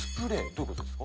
どういうことです